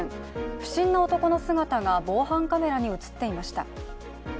不審な男の姿が防犯カメラに映っていました。